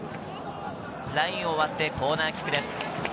ラインを割ってコーナーキックです。